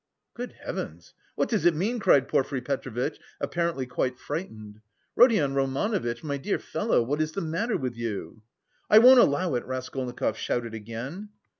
"Good heavens! What does it mean?" cried Porfiry Petrovitch, apparently quite frightened. "Rodion Romanovitch, my dear fellow, what is the matter with you?" "I won't allow it," Raskolnikov shouted again.